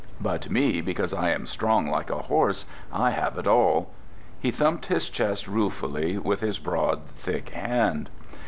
But me, because I am strong like a horse, I have it all!" He thumped his chest ruefully with his broad, thick hand.